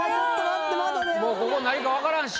もうここ何かわからんし。